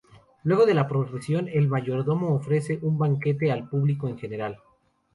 Luego de la procesión, el mayordomo ofrece un banquete al público en general.